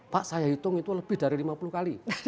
pak saya hitung itu lebih dari lima puluh kali